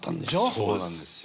そうなんですよ。